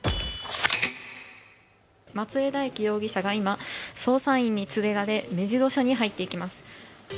松江大樹容疑者が今捜査員に連れられ目白署に入っていきます。